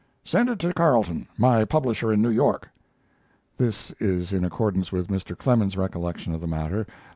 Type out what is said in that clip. Send it to Carleton, my publisher in New York." [This is in accordance with Mr. Clemens's recollection of the matter.